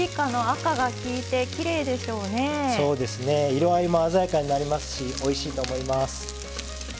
色合いも鮮やかになりますしおいしいと思います。